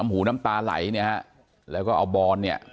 หูน้ำตาไหลเนี่ยฮะแล้วก็เอาบอนเนี่ย